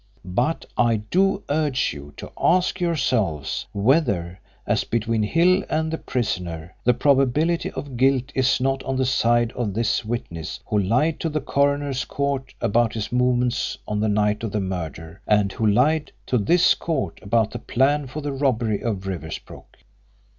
But I do urge you to ask yourselves whether, as between Hill and the prisoner, the probability of guilt is not on the side of this witness who lied to the coroner's court about his movements on the night of the murder, and who lied to this court about the plan for the robbery of Riversbrook.